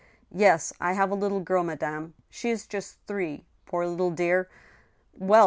Yes, I have a little girl, madame. She is just three, poor little dear! Well!